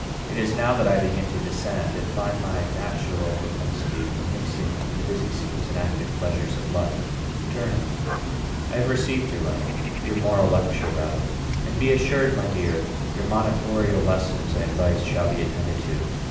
It is now that I begin to descend, and find my natural propensity for mixing in the busy scenes and active pleasures of life returning. I have received your letter your moral lecture rather; and be assured, my dear, your monitorial lessons and advice shall be attended to.